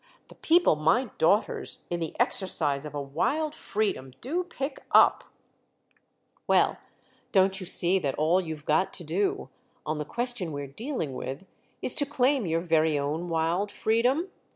"The people my daughters, in the exercise of a wild freedom, do pick up——!" "Well, don't you see that all you've got to do—on the question we're dealing with—is to claim your very own wild freedom?